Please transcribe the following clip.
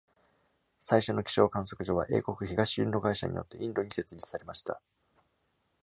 最初の気象観測所は、英国東インド会社によってインドに設立されました。